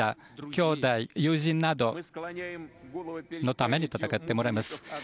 きょうだい、友人などのために戦ってもらいます。